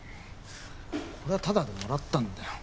これはタダでもらったんだよ。